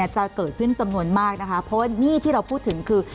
จะเกิดขึ้นจำนวนมากนะคะเพราะว่าหนี้ที่เราพูดถึงคือ